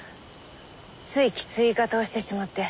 ついきつい言い方をしてしまって。